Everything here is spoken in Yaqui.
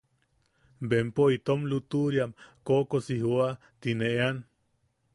“bempo itom lutuʼuriam koʼokosi jooa” ti ne ean.